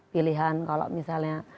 pilihan kalau misalnya